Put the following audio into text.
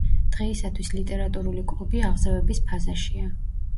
დღეისათვის ლიტერატურული კლუბი აღზევების ფაზაშია.